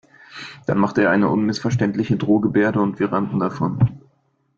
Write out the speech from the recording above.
Dann machte er eine unmissverständliche Drohgebärde und wir rannten davon.